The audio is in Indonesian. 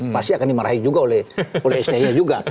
pasti akan dimarahin juga oleh stj juga